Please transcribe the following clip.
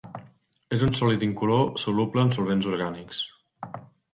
És un sòlid incolor soluble en solvents orgànics.